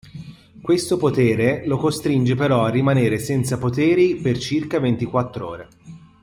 Questo potere lo costringe però a rimanere senza poteri per circa ventiquattr’ore.